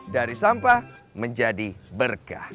dari sampah menjadi berkah